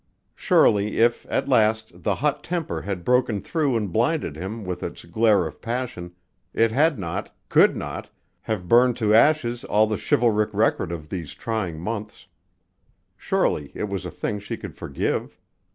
Surely if, at last, the hot temper had broken through and blinded him with its glare of passion, it had not could not have burned to ashes all the chivalric record of these trying months. Surely it was a thing she could forgive.